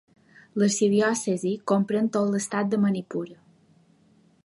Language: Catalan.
L'arxidiòcesi comprèn tot l'estat de Manipur.